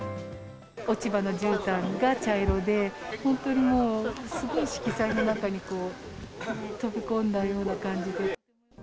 落ち葉のじゅうたんが茶色で、本当にもう、すごい色彩の中に飛び込んだような感じで。